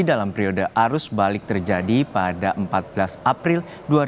dalam periode arus balik terjadi pada empat belas april dua ribu dua puluh